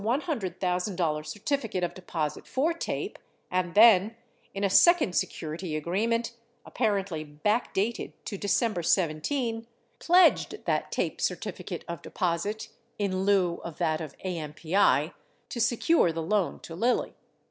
599 bank to purchase a $100,000 certificate of deposit for TAPE, and then, in a second security agreement (apparently backdated to December 17), 15 pledged that TAPE certificate of deposit (in lieu of that of AMPI) to secure the loan to Lilly.